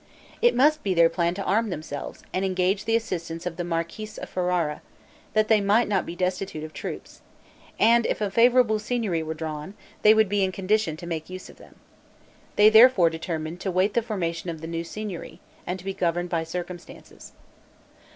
It must be their plan to arm themselves, and engage the assistance of the marquis of Ferrara, that they might not be destitute of troops; and if a favorable Signory were drawn, they would be in condition to make use of them. They therefore determined to wait the formation of the new Signory, and be governed by circumstances.